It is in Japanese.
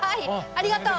ありがとう！